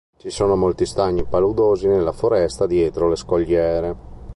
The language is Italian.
Ci sono molti stagni paludosi nella foresta dietro le scogliere.